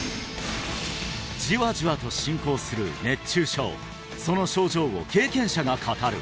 じわじわと進行する熱中症その症状を経験者が語る！